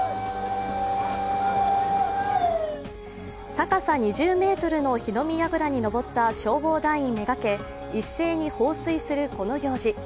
高さ２０ｍの火の見やぐらに登った消防団員めがけ一斉に放水するこの行事。